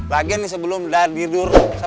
lagi nih sebelum dagdikdur